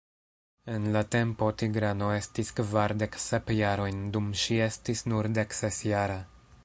En la tempo, Tigrano estis kvardek sep jarojn dum ŝi estis nur dekses jara.